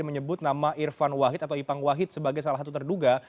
menyebut nama irfan wahid atau ipang wahid sebagai salah satu terduga